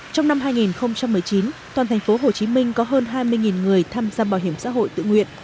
trong năm hai nghìn một mươi chín toàn thành phố hồ chí minh có hơn hai mươi người tham gia bảo hiểm xã hội tự nguyện